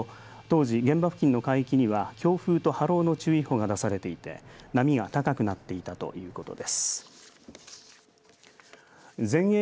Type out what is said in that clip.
佐賀地方気象台によりますと当時、現場付近の海域では強風と波浪の注意報が出されていて波が高くなっていたということです。